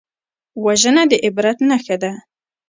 وژنه د عبرت نښه ده